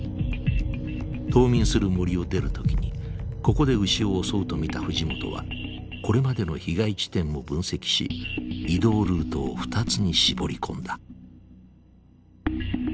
冬眠する森を出る時にここで牛を襲うと見た藤本はこれまでの被害地点も分析し移動ルートを２つに絞り込んだ。